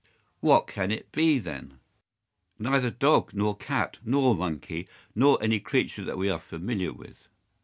"What can it be, then?" "Neither dog nor cat nor monkey nor any creature that we are familiar with.